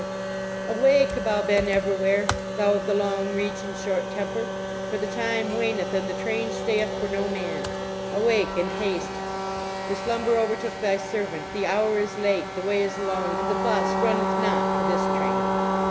(Pns THE LEGEND OF THE GOOD DRIMMl li "Awake, Abou Ben Kvrawhair, thou of the long reach and short temper, for the time \vaneth and the train stuyeth for no man ! Awake, and haste! For .slumber overtook thy servant, the hour is late, the way is long, and the bus runneth not for this train!"